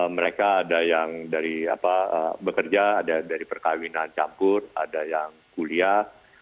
mereka ada yang dari bekerja ada dari perkawinan campur ada yang kuliah